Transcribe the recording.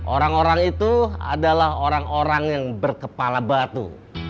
orang orang itu adalah orang orang yang berkepala batu